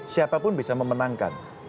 siapapun bisa memenangkan